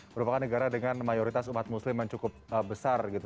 merupakan negara dengan mayoritas umat muslim yang cukup besar gitu